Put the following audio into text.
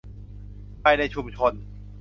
ภายในชุมชน